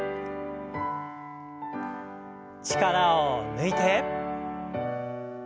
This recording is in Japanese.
力を抜いて。